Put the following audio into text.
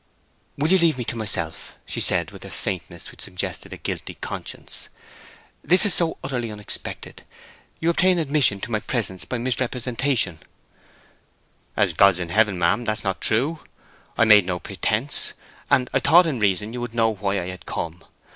"Will you leave me to myself?" she said, with a faintness which suggested a guilty conscience. "This is so utterly unexpected—you obtain admission to my presence by misrepresentation—" "As God's in heaven, ma'am, that's not true. I made no pretence; and I thought in reason you would know why I had come.